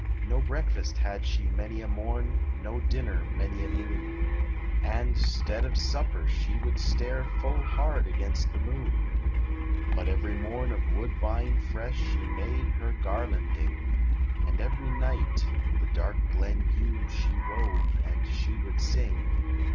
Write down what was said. No breakfast had she many a morn, No dinner many a noon, And 'stead of supper she would stare Full hard against the Moon. But every morn of woodbine fresh She made her garlanding, And every night the dark glen Yew She wove, and she would sing.